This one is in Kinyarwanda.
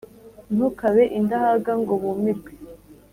ntukabe indahaga ngo bumirwe.